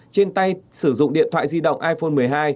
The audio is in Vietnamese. trên tay sử dụng điện thoại di động iphone một mươi hai